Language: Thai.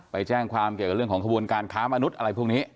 ไปแจ้งความเกี่ยวกับเรื่องของขบวนการค้ามนุษย์อะไรพวกนี้